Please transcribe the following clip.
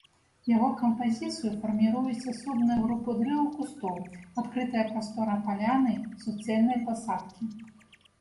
Яго кампазіцыю фарміруюць асобныя групы дрэў і кустоў, адкрытая прастора паляны, суцэльныя пасадкі.